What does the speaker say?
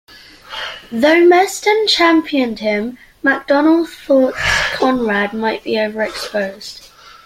Though Meston championed him, Macdonnell thought Conrad might be overexposed.